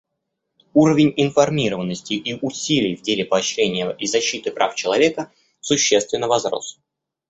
Уровень информированности и усилий в деле поощрения и защиты прав человека существенно возрос.